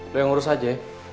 lo yang urus aja ya